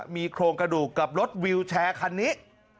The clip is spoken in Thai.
มีโครงกระดูกกับรถวิวแชร์คันนี้